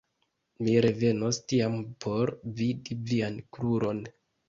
Mi revenos tiam por vidi vian kruron.